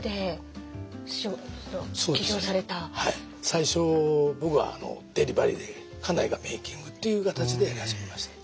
最初僕はデリバリーで家内がメーキングっていう形でやり始めました。